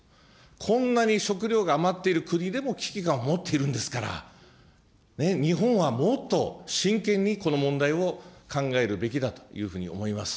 こんなに食料が余っている国でも危機感を持っているんですから、日本はもっと、真剣にこの問題を考えるべきだというふうに思います。